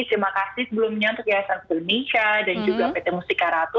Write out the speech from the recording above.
terima kasih sebelumnya untuk ysf indonesia dan juga pt musikarato